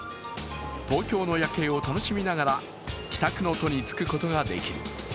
東京の夜景を楽しみながら帰宅の途に就くことができる。